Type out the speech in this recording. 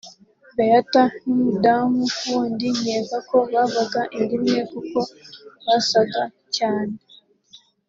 Béatha n’umudamu wundi nkeka ko bavaga inda imwe kuko basaga cyane